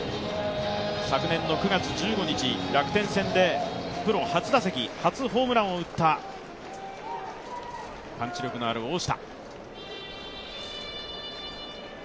昨年の９月１５日、楽天戦でプロ初打席、初ホームランを打ったパンチ力のある大下。